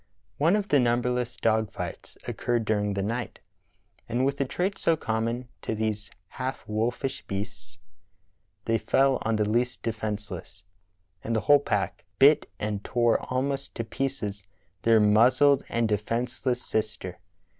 One of the numberless dog fights occurred during the night, and with the trait so common to these half wolfish beasts they fell on the least defenceless, and the whole pack bit and tore almost to pieces their muzzled and de fenceless sister.